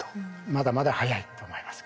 まだまだ早いと思います。